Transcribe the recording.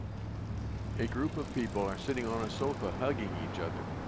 A group of people are sitting on a sofa hugging each other.